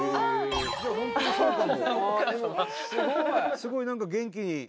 すごい何か元気に。